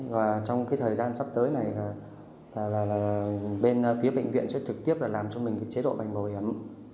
và trong thời gian sắp tới này bên phía bệnh viện sẽ thực tiếp làm cho mình chế độ bành bồi ấm